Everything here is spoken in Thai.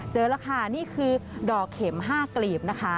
เจอแล้วค่ะนี่คือดอกเข็ม๕กลีบนะคะ